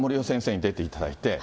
先生に出ていただいて。